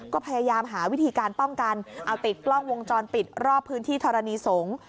ก็พยายามหาวิธีการป้องกันเอาติดกล้องวงจรปิดรอบพื้นที่ธรณีสงฆ์